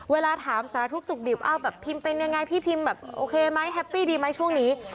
เวลาถามสารทุกข์สุขดิบเอาแบบพิมเป็นยังไงพี่พิมแบบโอเคไหมแฮปปี้ดีไหมช่วงนี้